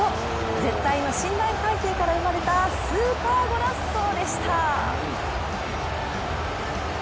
絶対の信頼関係から生まれたスーパーゴラッソでした。